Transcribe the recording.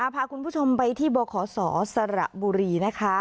พาคุณผู้ชมไปที่บขศสระบุรีนะคะ